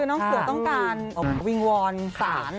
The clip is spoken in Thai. คือน้องเสือต้องการวิงวอนศาล